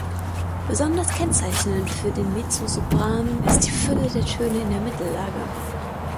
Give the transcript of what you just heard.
Besonders kennzeichnend für den Mezzosopran ist die Fülle der Töne in der Mittellage.